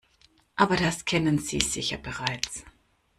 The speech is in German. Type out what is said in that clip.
Aber das kennen Sie sicher bereits.